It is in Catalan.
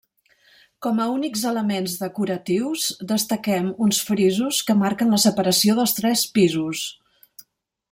Com a únics elements decoratius destaquem uns frisos que marquen la separació dels tres pisos.